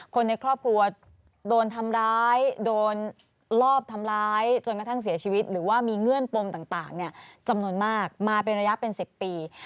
คนในครอบครัวโดนทำร้ายโดนลอบทำร้ายจนกระทั่งเสียชีวิตหรือว่ามีเงื่อนปมต่างจำนวนมากมาเป็นระยะเป็น๑๐ปี